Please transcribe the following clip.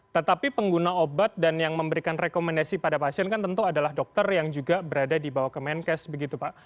tetapi pengguna obat dan yang memberikan rekomendasi pada pasien kan tentu adalah dokter yang juga berada di bawah kemenkes begitu pak